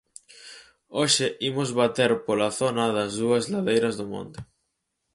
Hoxe imos bater pola zona das dúas ladeiras do monte.